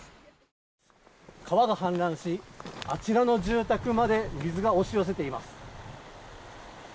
川が氾濫しあちらの住宅まで水が押し寄せています。